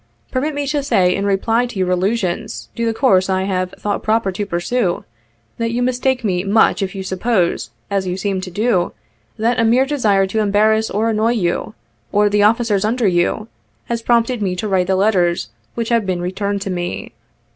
Permit me to say, in reply to your allusions to the course I have thought proper to pursue, that you mistake me much if you suppose (as you seem to do) that a mere desire to embarrass or annoy you, or the officers under you, has prompted me to write the letters which have been returned to me.